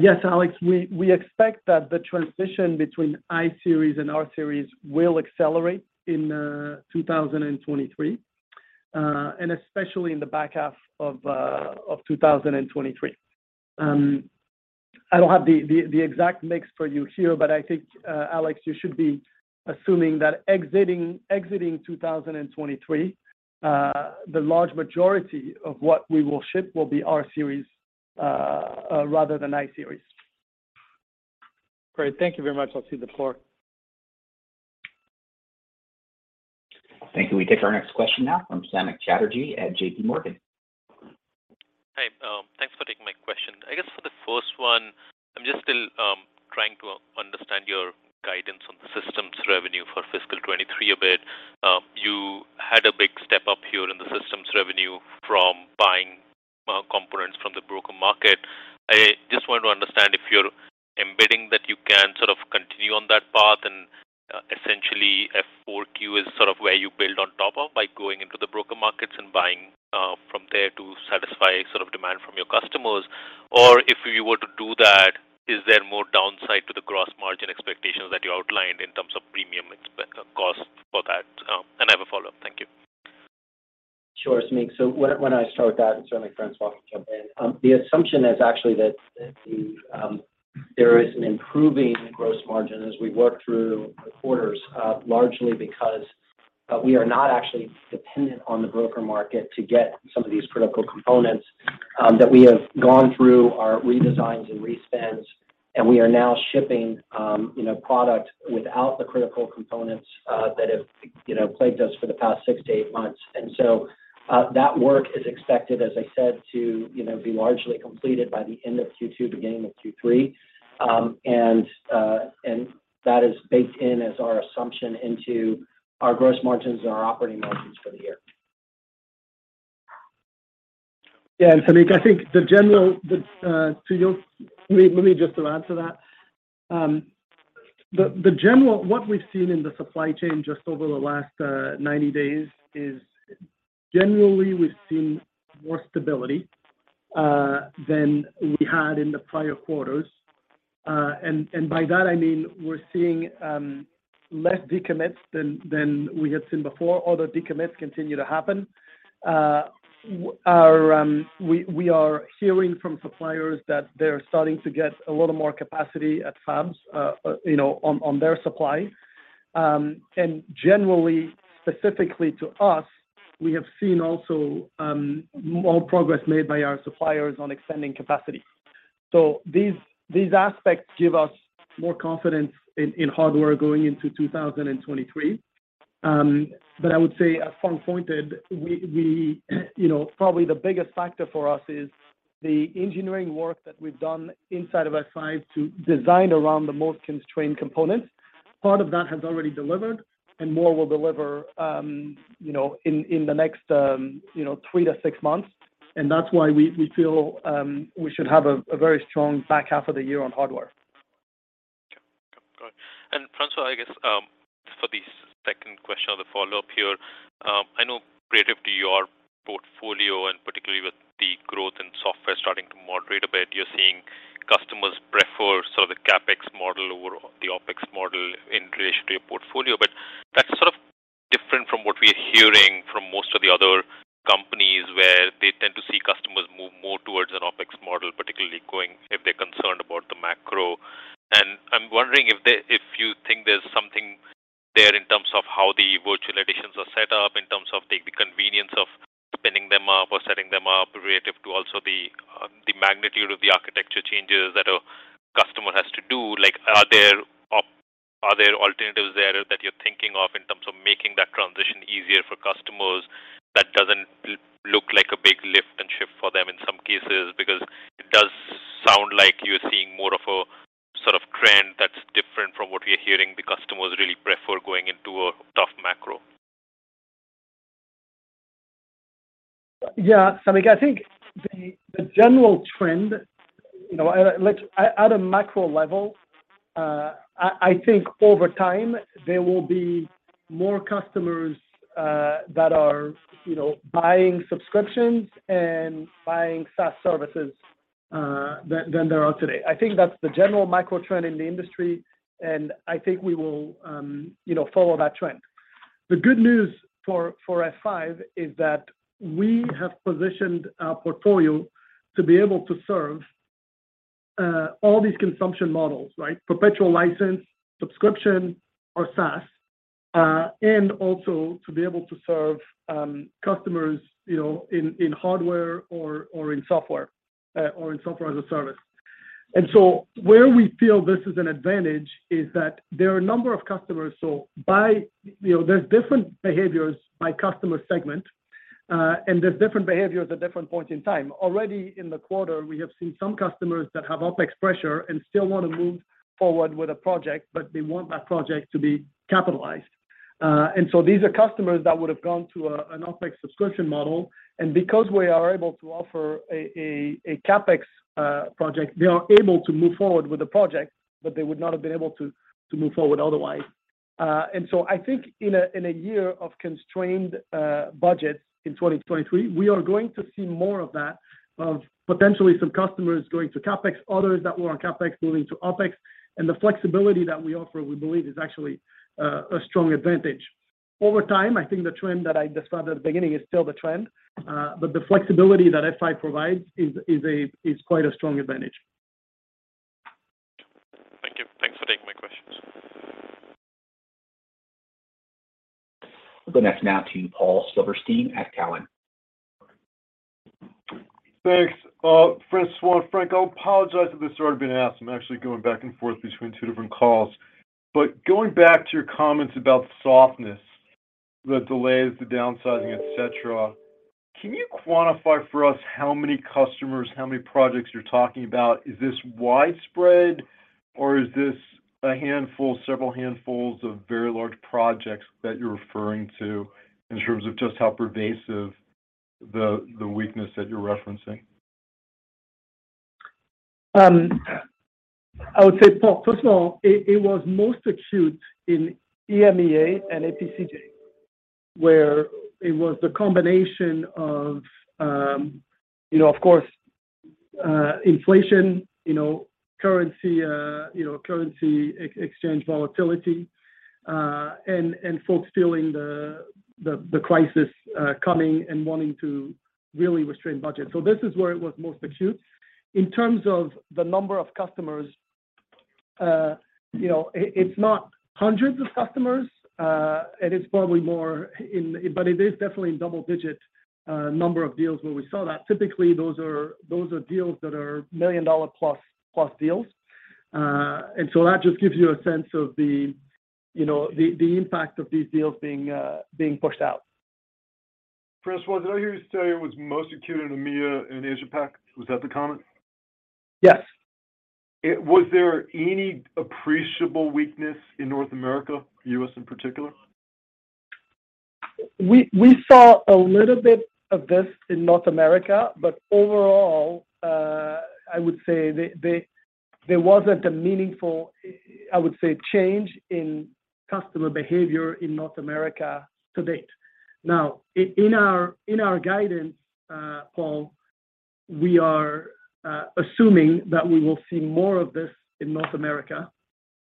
Yes, Alex. We expect that the transition between iSeries and rSeries will accelerate in 2023, and especially in the back half of 2023. I don't have the exact mix for you here, but I think, Alex, you should be assuming that exiting 2023, the large majority of what we will ship will be rSeries rather than iSeries. Great. Thank you very much. I'll cede the floor. Thank you. We take our next question now from Samik Chatterjee at J.P. Morgan. Hi. Thanks for taking my question. I guess for the first one, I'm just still trying to understand your guidance on the systems revenue for fiscal 2023 a bit. You had a big step up here in the systems revenue from buying components from the broker market. I just wanted to understand if you're embedding that you can sort of continue on that path, and essentially 4Q is sort of where you build on top of by going into the broker markets and buying from there to satisfy sort of demand from your customers. Or if you were to do that, is there more downside to the gross margin expectations that you outlined in terms of premium expense cost for that? I have a follow-up. Thank you. Sure, Samik. When I start with that, and certainly François can jump in. The assumption is actually that there is an improving gross margin as we work through the quarters, largely because we are not actually dependent on the broker market to get some of these critical components, that we have gone through our redesigns and respins, and we are now shipping, you know, product without the critical components that have, you know, plagued us for the past 6-8 months. That work is expected, as I said, to, you know, be largely completed by the end of Q2, beginning of Q3. That is baked in as our assumption into our gross margins and our operating margins for the year. Yeah. Samik, let me just add to that. What we've seen in the supply chain just over the last 90 days is generally we've seen more stability than we had in the prior quarters. By that, I mean, we're seeing less decommits than we had seen before, although decommits continue to happen. We are hearing from suppliers that they're starting to get a little more capacity at fabs, you know, on their supply. Generally, specifically to us, we have seen also more progress made by our suppliers on extending capacity. These aspects give us more confidence in hardware going into 2023. I would say, as Frank pointed, we you know probably the biggest factor for us is the engineering work that we've done inside of F5 to design around the most constrained components. Part of that has already delivered and more will deliver, you know, in the next 3-6 months. That's why we feel we should have a very strong back half of the year on hardware. Okay. Got it. François, I guess, for the second question or the follow-up here, I know relative to your portfolio, and particularly with the growth in software starting to moderate a bit, you're seeing customers prefer sort of the CapEx model over the OpEx model in relation to your portfolio. But that's sort of different from what we're hearing from most of the other companies, where they tend to see customers move more towards an OpEx model, particularly if they're concerned about the macro. I'm wondering if you think there's something there in terms of how the virtual editions are set up, in terms of the convenience of spinning them up or setting them up relative to also the magnitude of the architecture changes that a customer has to do. Like, are there alternatives there that you're thinking of in terms of making that transition easier for customers that doesn't. It does sound like you're seeing more of a sort of trend that's different from what we're hearing the customers really prefer going into a tough macro. Yeah, Samik. I think the general trend, you know, at a macro level, I think over time there will be more customers that are, you know, buying subscriptions and buying SaaS services than there are today. I think that's the general macro trend in the industry, and I think we will follow that trend. The good news for F5 is that we have positioned our portfolio to be able to serve all these consumption models, right? Perpetual license, subscription or SaaS, and also to be able to serve customers, you know, in hardware or in software or in software as a service. Where we feel this is an advantage is that there are a number of customers. So by... You know, there's different behaviors by customer segment, and there's different behaviors at different points in time. Already in the quarter, we have seen some customers that have OpEx pressure and still wanna move forward with a project, but they want that project to be capitalized. These are customers that would have gone to an OpEx subscription model. Because we are able to offer a CapEx project, they are able to move forward with the project, but they would not have been able to move forward otherwise. I think in a year of constrained budgets in 2023, we are going to see more of that, of potentially some customers going to CapEx, others that were on CapEx moving to OpEx. The flexibility that we offer, we believe is actually a strong advantage. Over time, I think the trend that I described at the beginning is still the trend, but the flexibility that F5 provides is quite a strong advantage. Thank you. Thanks for taking my questions. We'll go next now to Paul Silverstein at Cowen. Thanks. François and Frank, I apologize if this has already been asked. I'm actually going back and forth between two different calls. Going back to your comments about softness, the delays, the downsizing, et cetera, can you quantify for us how many customers, how many projects you're talking about? Is this widespread or is this a handful, several handfuls of very large projects that you're referring to in terms of just how pervasive the weakness that you're referencing? I would say, Paul, first of all, it was most acute in EMEA and APAC, where it was the combination of, you know, of course, inflation, you know, currency exchange volatility, and folks feeling the crisis coming and wanting to really restrain budget. This is where it was most acute. In terms of the number of customers, you know, it's not hundreds of customers, and it's probably more in. But it is definitely in double-digit number of deals where we saw that. Typically, those are deals that are million-dollar plus deals. That just gives you a sense of the, you know, the impact of these deals being pushed out. François, did I hear you say it was most acute in EMEA and APAC? Was that the comment? Yes. Was there any appreciable weakness in North America, U.S. in particular? We saw a little bit of this in North America, but overall, I would say there wasn't a meaningful, I would say, change in customer behavior in North America to date. Now, in our guidance, Paul, we are assuming that we will see more of this in North America,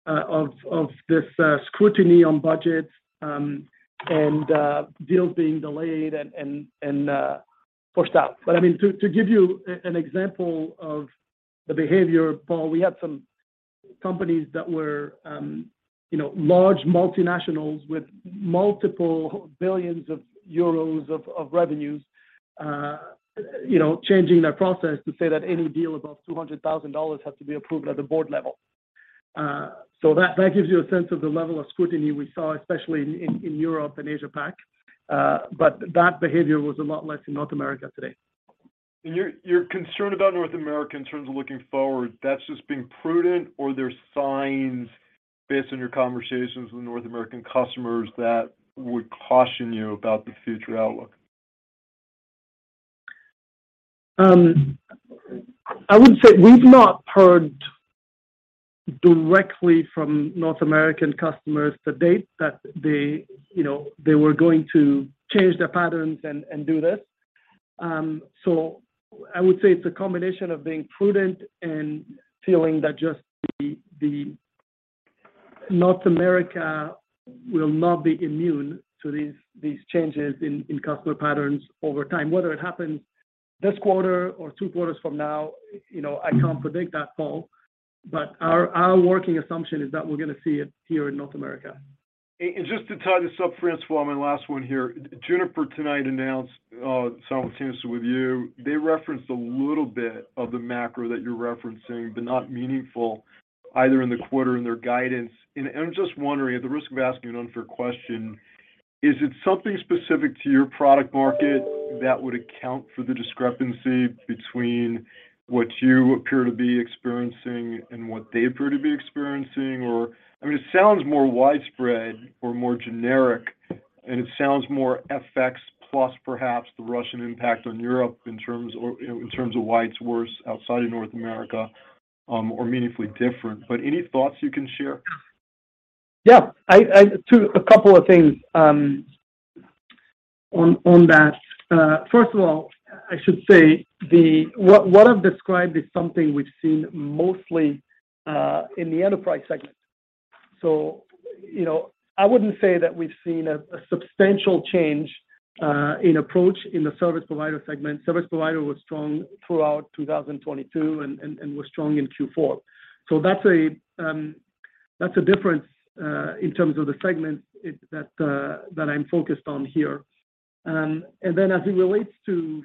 of this scrutiny on budgets, and deals being delayed and pushed out. I mean, to give you an example of the behavior, Paul, we had some companies that were, you know, large multinationals with multiple billions of euros of revenues, you know, changing their process to say that any deal above $200,000 has to be approved at the board level. That gives you a sense of the level of scrutiny we saw, especially in Europe and Asia Pac. That behavior was a lot less in North America to date. You're concerned about North America in terms of looking forward. That's just being prudent or there's signs based on your conversations with North American customers that would caution you about the future outlook? I would say we've not heard directly from North American customers to date that they, you know, they were going to change their patterns and do this. I would say it's a combination of being prudent and feeling that just the North America will not be immune to these changes in customer patterns over time. Whether it happens this quarter or two quarters from now, you know, I can't predict that, Paul. Our working assumption is that we're gonna see it here in North America. Just to tie this up, François, my last one here. Juniper tonight announced simultaneously with you. They referenced a little bit of the macro that you're referencing, but not meaningful either in the quarter in their guidance. I'm just wondering, at the risk of asking an unfair question. Is it something specific to your product market that would account for the discrepancy between what you appear to be experiencing and what they appear to be experiencing? I mean, it sounds more widespread or more generic, and it sounds more FX plus perhaps the Russian impact on Europe in terms or, you know, in terms of why it's worse outside of North America, or meaningfully different. Any thoughts you can share? Yeah. A couple of things on that. First of all, I should say what I've described is something we've seen mostly in the enterprise segment. You know, I wouldn't say that we've seen a substantial change in approach in the service provider segment. Service provider was strong throughout 2022 and was strong in Q4. That's a difference in terms of the segments that I'm focused on here. And then as it relates to,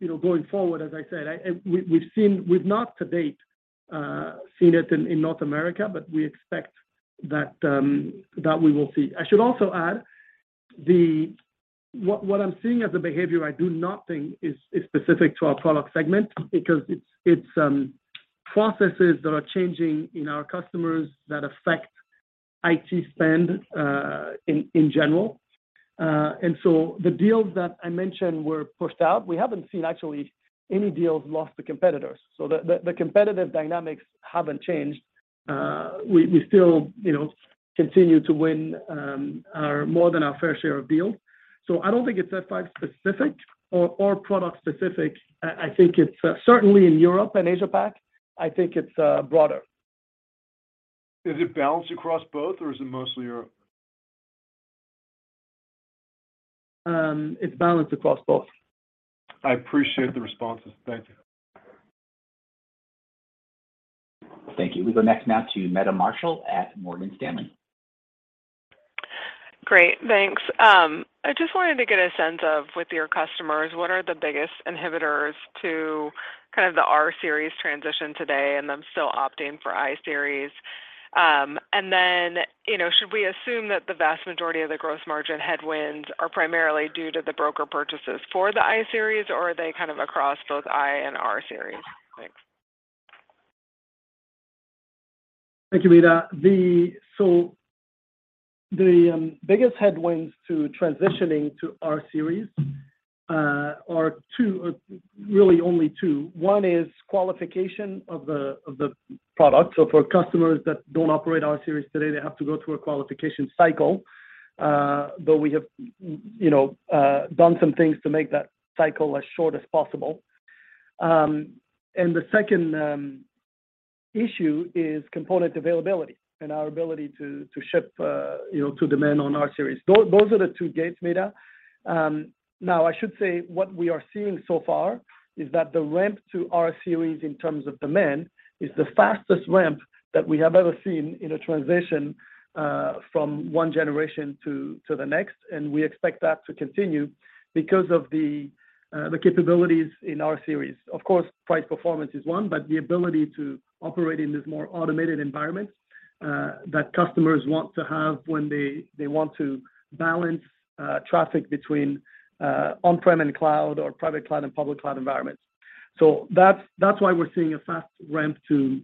you know, going forward, as I said, we've not to date seen it in North America, but we expect that we will see. I should also add what I'm seeing as a behavior I do not think is specific to our product segment because it's processes that are changing in our customers that affect IT spend in general. The deals that I mentioned were pushed out. We haven't seen actually any deals lost to competitors. The competitive dynamics haven't changed. We still, you know, continue to win our more than our fair share of deals. I don't think it's that product specific or product specific. I think it's certainly in Europe and Asia Pac, I think it's broader. Is it balanced across both or is it mostly Europe? It's balanced across both. I appreciate the responses. Thank you. Thank you. We go next now to Meta Marshall at Morgan Stanley. Great. Thanks. I just wanted to get a sense of, with your customers, what are the biggest inhibitors to kind of the rSeries transition today, and them still opting for iSeries. You know, should we assume that the vast majority of the gross margin headwinds are primarily due to the box purchases for the iSeries, or are they kind of across both iSeries and rSeries? Thanks. Thank you, Meta. The biggest headwinds to transitioning to rSeries are two, or really only two. One is qualification of the product. For customers that don't operate rSeries today, they have to go through a qualification cycle, but we have you know done some things to make that cycle as short as possible. The second issue is component availability and our ability to ship you know to demand on rSeries. Those are the two gates, Meta. Now, I should say what we are seeing so far is that the ramp to rSeries in terms of demand is the fastest ramp that we have ever seen in a transition from one generation to the next. We expect that to continue because of the capabilities in rSeries. Of course, price performance is one, but the ability to operate in these more automated environments that customers want to have when they want to balance traffic between on-prem and cloud or private cloud and public cloud environments. That's why we're seeing a fast ramp to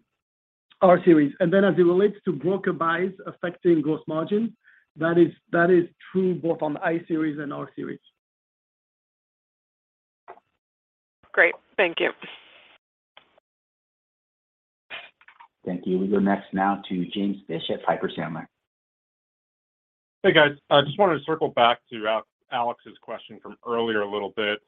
rSeries. Then as it relates to broker buys affecting gross margin, that is true both on iSeries and rSeries. Great. Thank you. Thank you. We go next now to James Fish, Piper Sandler. Hey, guys. I just wanted to circle back to Alex's question from earlier a little bit.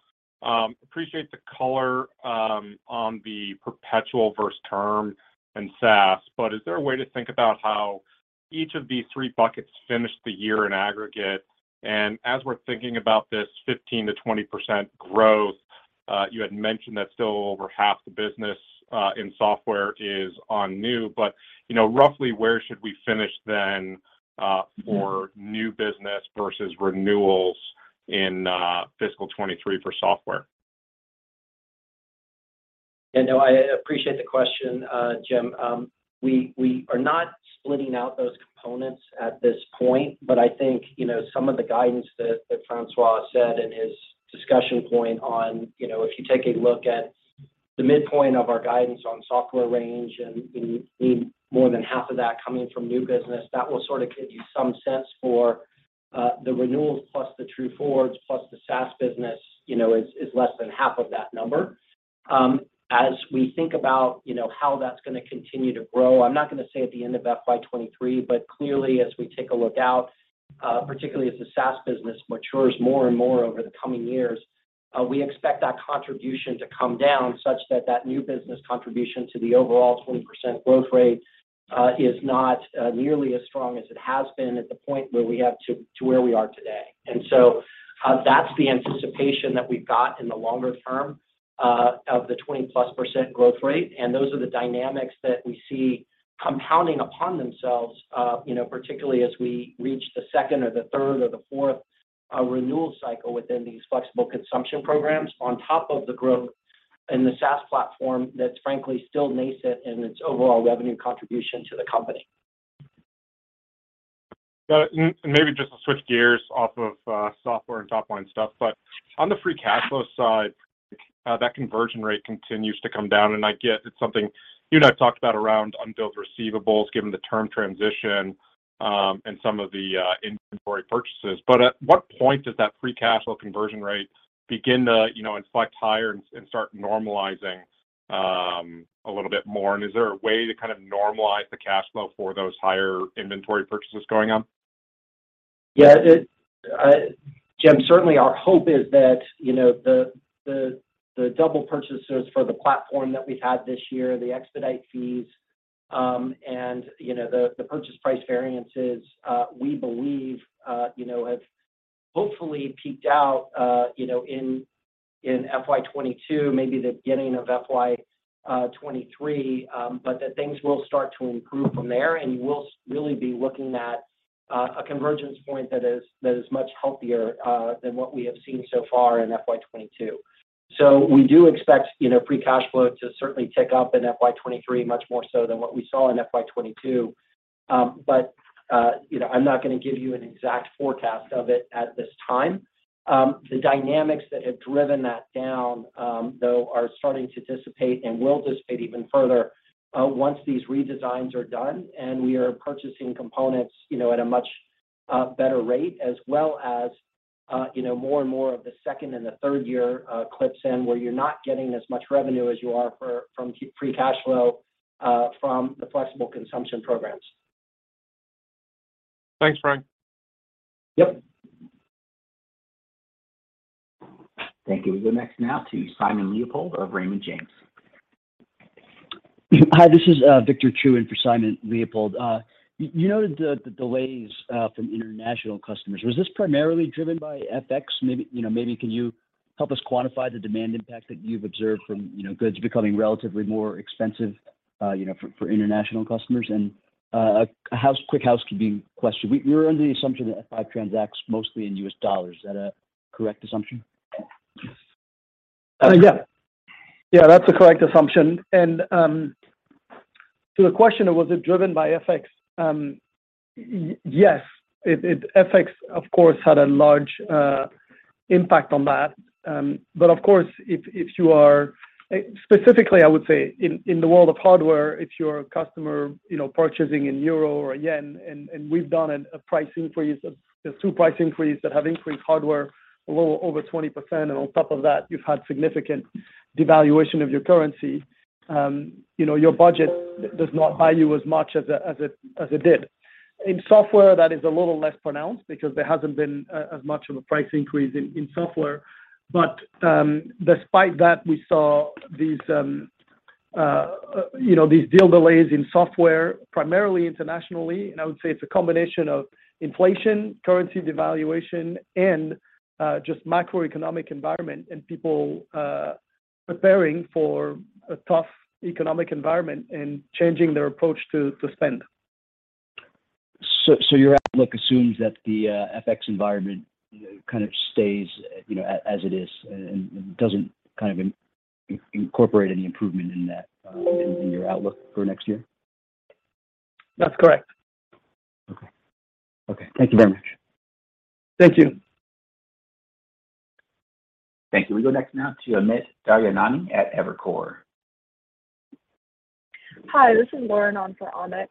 Appreciate the color on the perpetual versus term and SaaS. Is there a way to think about how each of these three buckets finished the year in aggregate? As we're thinking about this 15%-20% growth, you had mentioned that still over half the business in software is on new. You know, roughly where should we finish then for new business versus renewals in fiscal 2023 for software? Yeah. No, I appreciate the question, Jim. We are not splitting out those components at this point. I think, you know, some of the guidance that François said in his discussion point on, you know, if you take a look at the midpoint of our guidance on software range, and we need more than half of that coming from new business, that will sort of give you some sense for the renewals plus the True Forwards plus the SaaS business, you know, is less than half of that number. As we think about, you know, how that's gonna continue to grow, I'm not gonna say at the end of FY 2023, but clearly as we take a look out, particularly as the SaaS business matures more and more over the coming years, we expect that contribution to come down such that that new business contribution to the overall 20% growth rate is not nearly as strong as it has been at the point where we have to where we are today. That's the anticipation that we've got in the longer term of the 20%+ growth rate. Those are the dynamics that we see compounding upon themselves, you know, particularly as we reach the second or the third or the fourth renewal cycle within these Flexible Consumption Program on top of the growth in the SaaS platform that's frankly still nascent in its overall revenue contribution to the company. Maybe just to switch gears off of software and top-line stuff. On the free cash flow side, that conversion rate continues to come down, and I get it's something you and I talked about around unbilled receivables, given the term transition, and some of the inventory purchases. At what point does that free cash flow conversion rate begin to, you know, inflect higher and start normalizing a little bit more? Is there a way to kind of normalize the cash flow for those higher inventory purchases going on? Yeah. I, Jim, certainly our hope is that, you know, the double purchases for the platform that we had this year, the expedite fees, and, you know, the purchase price variances, we believe, you know, have hopefully peaked out, you know, in FY 2022, maybe the beginning of FY 2023. That things will start to improve from there, and you will really be looking at a convergence point that is much healthier than what we have seen so far in FY 2022. We do expect, you know, free cash flow to certainly tick up in FY 2023 much more so than what we saw in FY 2022. You know, I'm not gonna give you an exact forecast of it at this time. The dynamics that have driven that down, though, are starting to dissipate and will dissipate even further once these redesigns are done, and we are purchasing components, you know, at a much better rate as well as, you know, more and more of the second and the third year kick in, where you're not getting as much revenue as you are from free cash flow from the Flexible Consumption Program. Thanks, Frank. Yep. Thank you. We go next now to Simon Leopold of Raymond James. Hi, this is Victor Chiu in for Simon Leopold. You noted the delays from international customers. Was this primarily driven by FX? Maybe can you help us quantify the demand impact that you've observed from goods becoming relatively more expensive for international customers? Quick housekeeping question. We're under the assumption that F5 transacts mostly in U.S. dollars. Is that a correct assumption? Yeah. Yeah, that's a correct assumption. To the question of was it driven by FX, yes. FX of course had a large impact on that. Of course if you are specifically I would say in the world of hardware, if you're a customer, you know, purchasing in euro or yen and we've done two price increases that have increased hardware a little over 20%, and on top of that you've had significant devaluation of your currency. You know, your budget does not buy you as much as it did. In software, that is a little less pronounced because there hasn't been as much of a price increase in software. Despite that, we saw these, you know, these deal delays in software primarily internationally, and I would say it's a combination of inflation, currency devaluation, and just macroeconomic environment and people preparing for a tough economic environment and changing their approach to spend. Your outlook assumes that the FX environment kind of stays, you know, as it is and doesn't kind of incorporate any improvement in that in your outlook for next year? That's correct. Okay, thank you very much. Thank you. Thank you. We go next now to Amit Daryanani at Evercore. Hi, this is Lauren on for Amit.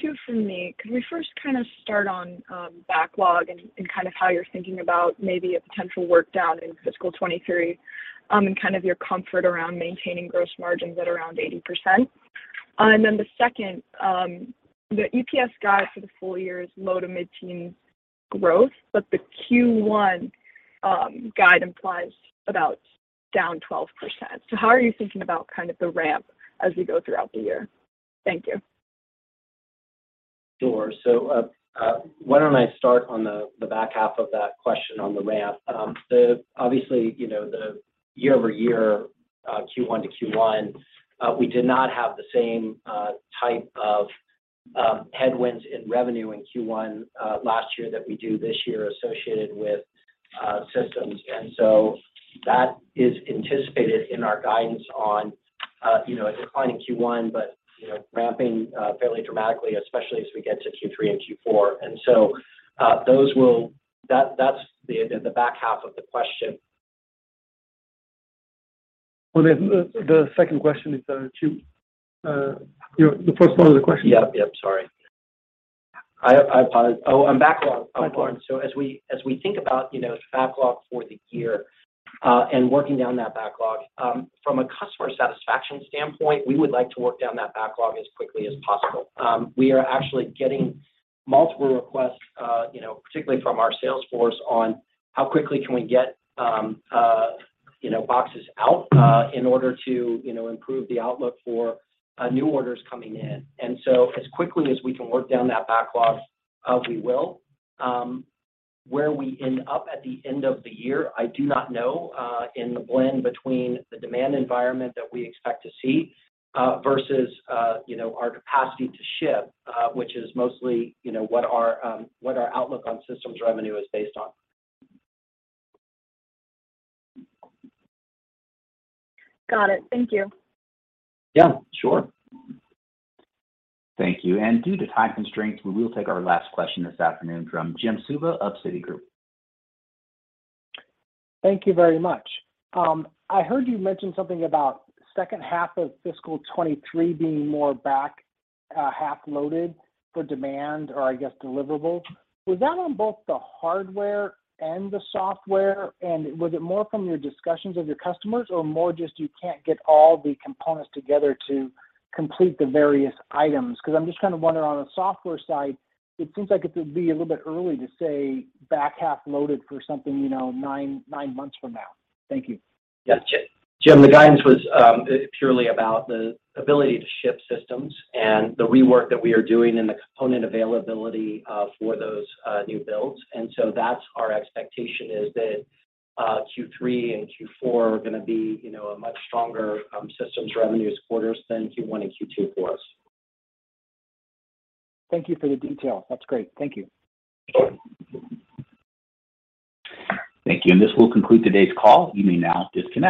Two from me. Can we first kind of start on backlog and kind of how you're thinking about maybe a potential work down in fiscal 2023 and kind of your comfort around maintaining gross margins at around 80%? Then the second, the EPS guide for the full year is low to mid-teen growth, but the Q1 guide implies about down 12%. How are you thinking about kind of the ramp as we go throughout the year? Thank you. Sure. Why don't I start on the back half of that question on the ramp. Obviously, you know, the year-over-year, Q1 to Q1, we did not have the same type of headwinds in revenue in Q1 last year that we do this year associated with systems. That is anticipated in our guidance on, you know, a decline in Q1, but, you know, ramping fairly dramatically, especially as we get to Q3 and Q4. That's the back half of the question. Well, the second question is. You know, the first part of the question. Yep, sorry. I apologize. Oh, on backlog. Backlog. As we think about, you know, backlog for the year, and working down that backlog, from a customer satisfaction standpoint, we would like to work down that backlog as quickly as possible. We are actually getting multiple requests, you know, particularly from our sales force on how quickly can we get, you know, boxes out, in order to, you know, improve the outlook for, new orders coming in. As quickly as we can work down that backlog, we will. Where we end up at the end of the year, I do not know, in the blend between the demand environment that we expect to see, versus, you know, our capacity to ship, which is mostly, you know, what our outlook on systems revenue is based on. Got it. Thank you. Yeah, sure. Thank you. Due to time constraints, we will take our last question this afternoon from Jim Suva of Citigroup. Thank you very much. I heard you mention something about second half of fiscal 2023 being more back half loaded for demand or I guess deliverable. Was that on both the hardware and the software? Was it more from your discussions with your customers or more just you can't get all the components together to complete the various items? 'Cause I'm just kind of wondering on the software side, it seems like it would be a little bit early to say back half loaded for something, you know, nine months from now. Thank you. Jim, the guidance was purely about the ability to ship systems and the rework that we are doing and the component availability for those new builds. That's our expectation is that Q3 and Q4 are gonna be, you know, a much stronger systems revenues quarters than Q1 and Q2 for us. Thank you for the detail. That's great. Thank you. Sure. Thank you. This will conclude today's call. You may now disconnect.